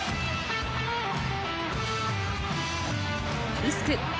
リスク。